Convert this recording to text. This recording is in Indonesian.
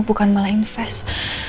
bukan malah invest